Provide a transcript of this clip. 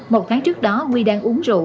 một tháng trước đó nguy đang uống rượu